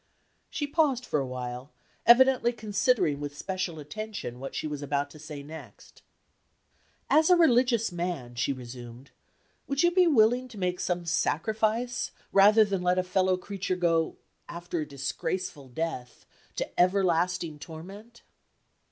She paused for a while, evidently considering with special attention what she was about to say next. "As a religious man," she resumed, "would you be willing to make some sacrifice, rather than let a fellow creature go after a disgraceful death to everlasting torment?"